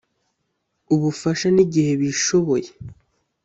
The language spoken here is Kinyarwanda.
ubufasha n igihe bishoboye